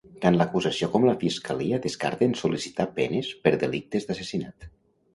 Tant l'acusació com la Fiscalia descarten sol·licitar penes per delictes d'assassinat.